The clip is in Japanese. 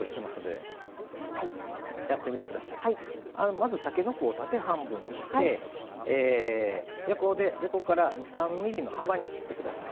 まずたけのこを縦半分にして横から２３ｍｍの幅に切ってください。